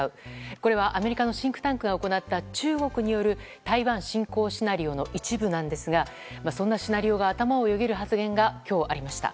これはアメリカのシンクタンクが行った中国による台湾侵攻シナリオの一部なんですがそんなシナリオが頭をよぎる発言が今日ありました。